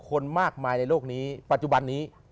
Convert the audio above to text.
คนมากมายในโลกนี้ปัจจุบันนี้